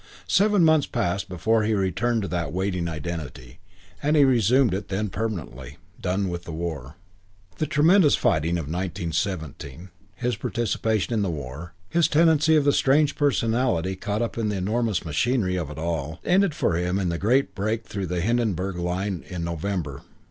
Seven months passed before he returned to that waiting identity and he resumed it then permanently, done with the war. The tremendous fighting of 1917 his participation in the war his tenancy of the strange personality caught up in the enormous machinery of it all ended for him in the great break through of the Hindenburg Line in November.